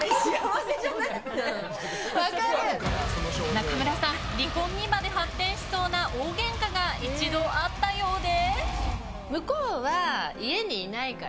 中村さん、離婚にまで発展しそうな大ゲンカが１度あったようで。